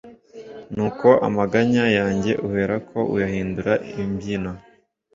nuko amaganya yanjye uherako uyahindura imbyino